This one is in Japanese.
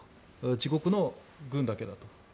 自国の軍だけだと。